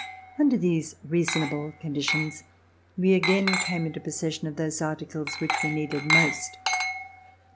Under these reasonable conditions, we again came into possession of those articles which we needed most.